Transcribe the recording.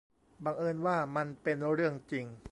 บังเอิญว่ามันเป็นเรื่องจริง